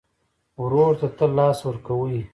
ورور ته تل لاس ورکوې.